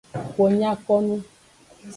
Wo nya ko nu.